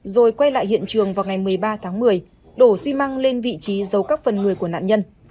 rồi quay lại hiện trường vào ngày một mươi ba tháng một mươi đổ xi măng lên vị trí giấu các phần người của nạn nhân